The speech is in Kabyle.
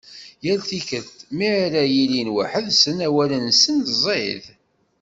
Yal tikkelt mi ara ilin weḥḥed-sen awal-nsen ẓid.